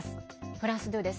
フランス２です。